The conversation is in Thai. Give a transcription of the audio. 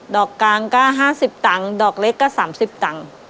ดอกกลางก็ห้าสิบตังค์ดอกเล็กก็สามสิบตังค์